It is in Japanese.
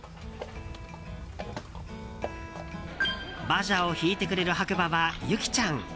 馬車を引いてくれる白馬はゆきちゃん。